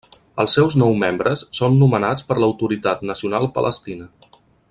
Els seus nou membres són nomenats per l'Autoritat Nacional Palestina.